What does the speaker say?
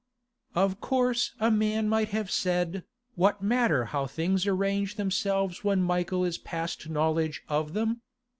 Of course a man might have said, 'What matter how things arrange themselves when Michael is past knowledge of them?